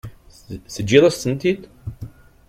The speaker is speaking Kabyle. Teǧǧiḍ-as-tent-id?